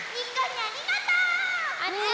ありがとう！